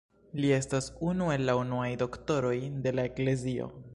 Li estas unu el la unuaj Doktoroj de la Eklezio.